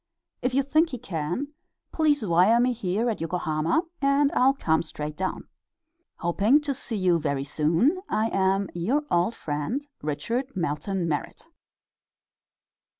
If you think he can, please wire me here at Yokohama, and I'll come straight down. Hoping to see you very soon, I am Your old friend, RICHARD MELTON MERRIT.